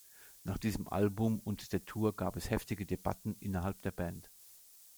Nach diesem Album und der Tour gab es heftige Debatten innerhalb der Band.